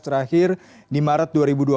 terakhir di maret dua ribu dua puluh